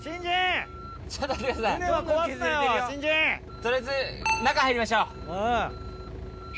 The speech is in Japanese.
取りあえず中入りましょう。